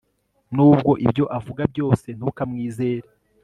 nubwo ibyo avuga byose, ntukamwizere